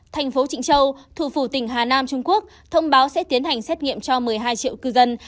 thành phố trịnh châu thủ phủ tỉnh hà nam trung quốc thông báo sẽ tiến hành xét nghiệm cho một mươi hai triệu cư dân